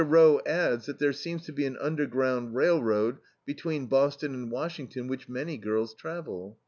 Roe adds that "there seems to be an underground railroad between Boston and Washington which many girls travel."